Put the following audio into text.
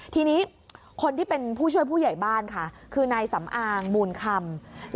ทีนี้คนที่เป็นผู้ช่วยผู้ใหญ่บ้านค่ะคือนายสำอางมูลคำ